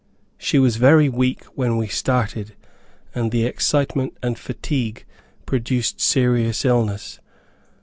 She was very weak when we started, and the excitement and fatigue produced serious illness.